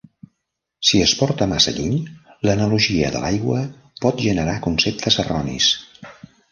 Si es porta massa lluny, l'analogia de l'aigua pot generar conceptes erronis.